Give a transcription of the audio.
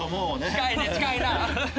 近いね近いな！